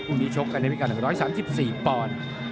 พรุ่งนี้ชกกันในวิกัน๑๓๔ปอนด์